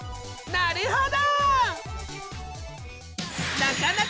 なるほど！